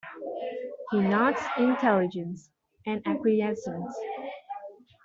He nods intelligence, and acquiescence.